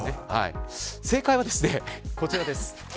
正解はこちらです。